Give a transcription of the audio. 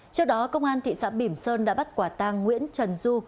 trước đó công an thị xã bỉm sơn đã bắt quả tang nguyễn trần du